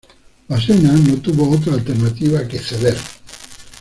Vasena no tuvo otra alternativa que ceder.